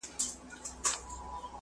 د پښتو ژبي دپاره باید نوي لغتونه وضع سي